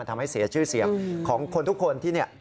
ทำให้เสียชื่อเสียงของคนทุกคนที่เนี่ย